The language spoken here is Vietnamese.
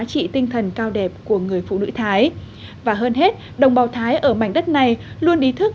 trị tinh thần cao đẹp của người phụ nữ thái và hơn hết đồng bào thái ở mảnh đất này luôn ý thức